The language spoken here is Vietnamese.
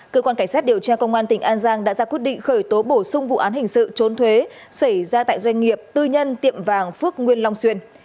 cơ quan cảnh sát điều tra công an tỉnh an giang đã ra quyết định khởi tố bổ sung vụ án hình sự trốn thuế xảy ra tại doanh nghiệp tư nhân tiệm vàng phước nguyên long xuyên